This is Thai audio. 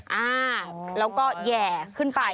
อ่าแล้วก็แห่ขึ้นไป